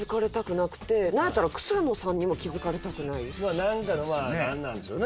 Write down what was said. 何かの何なんですよね